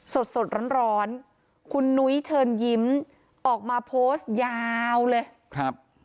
สดสดร้อนร้อนคุณนุ้ยเชิญยิ้มออกมาโพสต์ยาวเลยครับ